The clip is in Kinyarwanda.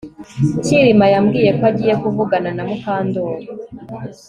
Kirima yambwiye ko agiye kuvugana na Mukandoli